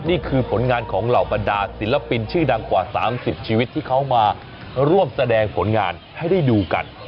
นี่คือผลงานของเหล่าบรรดาศิลปินชื่อดังกว่า๓๐ชีวิตที่เขามาร่วมแสดงผลงานให้ได้ดูกัน